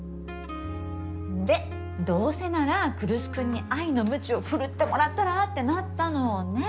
でどうせなら来栖君に愛のむちを振るってもらったら？ってなったのねっ。